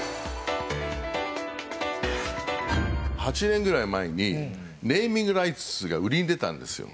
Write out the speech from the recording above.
８年ぐらい前にネーミングライツが売りに出たんですよ。